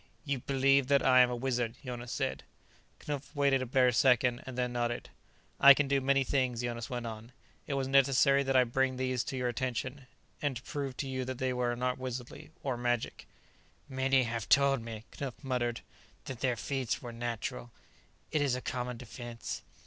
"You believe that I am a wizard," Jonas said. Knupf waited a bare second, and then nodded. "I can do many things," Jonas went on. "It was necessary that I bring these to your attention and prove to you that they are not wizardry, or magic." "Many have told me," Knupf muttered, "that their feats were natural. It is a common defense."